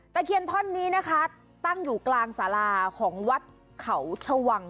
เคียนท่อนนี้นะคะตั้งอยู่กลางสาราของวัดเขาชวัง